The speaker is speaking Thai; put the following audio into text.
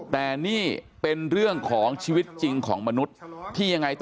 แต่นี่เป็นเรื่องของชีวิตจริงของมนุษย์ที่ยังไงต่อ